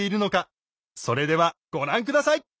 それではご覧下さい！